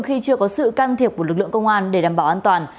khi chưa có sự can thiệp của lực lượng công an để đảm bảo an toàn